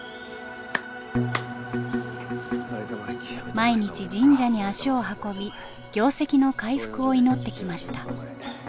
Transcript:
毎日神社に足を運び業績の回復を祈ってきました。